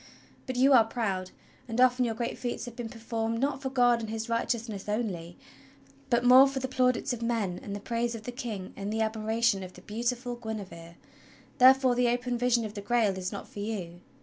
But you are proud, and often your great feats have been performed not for God and his righteousness only, but more for the plaudits of men, and the praise of the King and the admiration of the beautiful Guinevere; therefore the open vision of the Grail is not for you.